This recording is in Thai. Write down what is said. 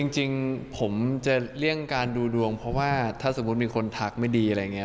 จริงผมจะเลี่ยงการดูดวงเพราะว่าถ้าสมมุติมีคนทักไม่ดีอะไรอย่างนี้